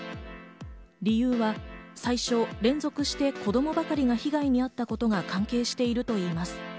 理由は最初、連続して子供ばかりが被害に遭ったことが関係しているといいます。